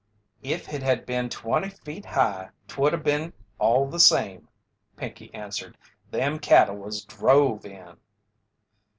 "If it had been twenty feet high 'twould 'a' been all the same," Pinkey answered. "Them cattle was drove in."